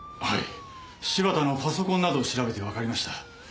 はい柴田のパソコンなどを調べてわかりました。